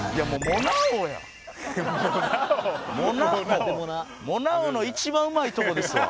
モナ王の一番うまいとこですわ。